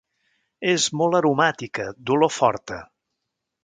És molt aromàtica d'olor forta.